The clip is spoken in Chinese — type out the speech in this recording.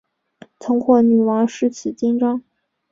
曾获女王诗词金章。